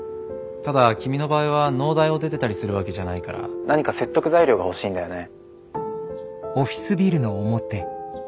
ただ君の場合は農大を出てたりするわけじゃないから何か説得材料が欲しいんだよね。